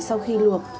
sau khi luộc